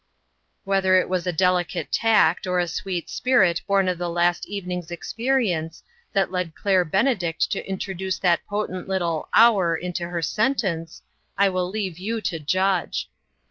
Whether it was a delicate tact, or a sweet spirit born of the last evening's experience, that led Claire Benedict to introduce that potent little "our" into her sentence, I will leave you to judge.